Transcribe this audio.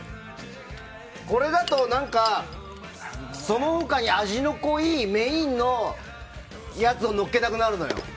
これだとその他に味の濃いメインのやつをのっけたくなるのよ。